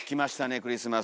クリスマス。